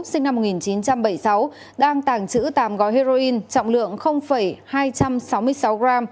sinh năm một nghìn chín trăm bảy mươi sáu đang tàng trữ tám gói heroin trọng lượng hai trăm sáu mươi sáu g